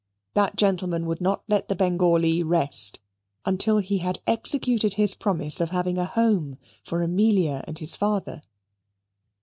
That gentleman would not let the Bengalee rest until he had executed his promise of having a home for Amelia and his father.